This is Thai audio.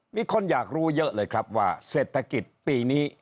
มีคนอยากรู้เยอะเลยครับว่าเศรษฐกิจปีนี้